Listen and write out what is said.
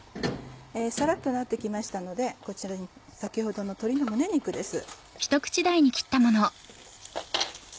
サラっとなって来ましたのでこちらに先ほどの鶏の胸肉です。